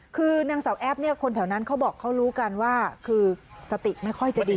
คือนางสาวแอปเนี่ยคนแถวนั้นเขาบอกเขารู้กันว่าคือสติไม่ค่อยจะดี